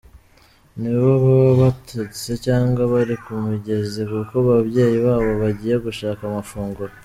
Nibo baba batetse cyangwa bari ku migezi kuko ababyeyi baba bagiye gushaka amafunguro.